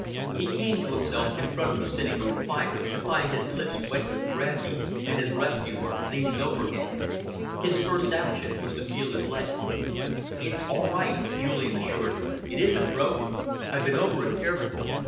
He came to himself in front of the sitting room fire, to find his lips wet with brandy and his rescuer leaning over him. His first action was to feel his leg. "That's all right," Julian assured him. "It isn't broken. I've been over it carefully.